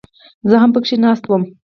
زه هم پکښې ناست وم.